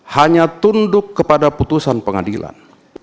hanya tunduk kepada putusan pengadilan